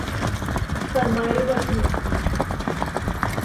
তার মায়রে বাপ, ভাই।